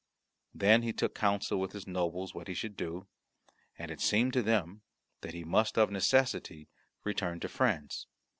Then he took counsel with his nobles what he should do, and it seemed to them that he must of necessity return to France.